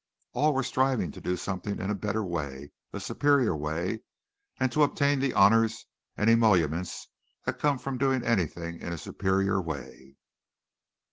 All were striving to do something in a better way, a superior way, and to obtain the honors and emoluments that come from doing anything in a superior way.